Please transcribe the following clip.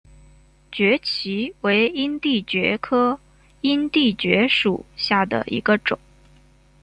蕨萁为阴地蕨科阴地蕨属下的一个种。